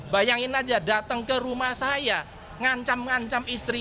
bayangin aja datang ke rumah saya ngancam ngancam istri